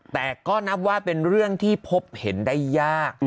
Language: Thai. แต่ก็นับว่าเป็นเรื่องที่พบเห็นได้ยาก